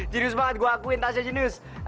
jenius banget gue akuin tasya jenius